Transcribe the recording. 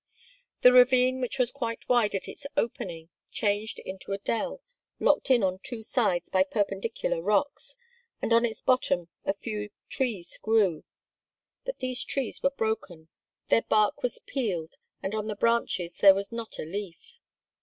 The ravine, which was quite wide at its opening, changed into a dell, locked in on two sides by perpendicular rocks, and on its bottom a few trees grew. These trees were broken; their bark was peeled and on the branches there was not a leaf.